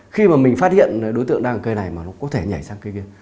khi mà mình phát hiện đối tượng đang ở cây này mà nó có thể nhảy sang cây kia